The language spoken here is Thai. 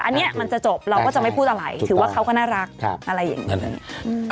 อันนี้มันจะจบเราก็จะไม่พูดอะไรถือว่าเขาก็น่ารักอะไรอย่างนั้น